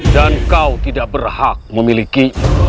dan kau tidak berhak memiliki